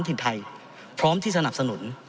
ถิ่นไทยพร้อมที่สนับสนุน